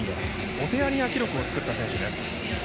オセアニア記録を作った選手です。